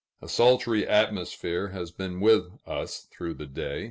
A sultry atmosphere has been with us through the day.